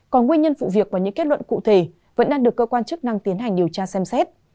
còn nguyên nhân vụ việc và những kết luận cụ thể vẫn đang được cơ quan chức năng tiến hành điều tra xem xét